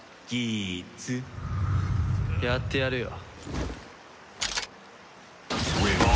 やってやるよ。